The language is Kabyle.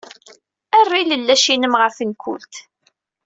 Err ilellac-nnem ɣer tenkult.